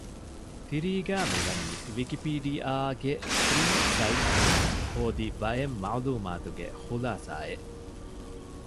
ތިރީގައި މިވަނީ ވިކިޕީޑިއާ ގެ ފްރީ ސައިޓްތަކުން ހޯދި ބައެއް މަޢުލޫމާތުގެ ޚުލާސާ އެއް